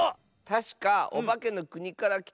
たしかオバケのくにからきた。